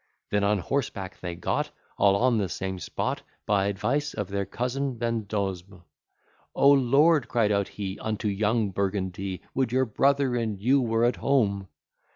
Then on horseback they got All on the same spot, By advice of their cousin Vendosme, O Lord! cried out he, Unto young Burgundy, Would your brother and you were at home!